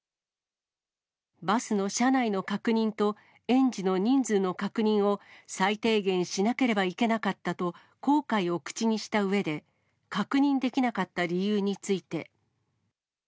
バスの車内の確認と、園児の人数の確認を最低限しなければいけなかったと、後悔を口にしたうえで、確認できなかった理由について。